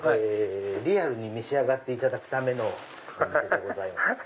リアルに召し上がっていただくお店でございます。